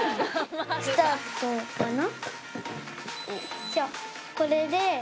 スタートかな？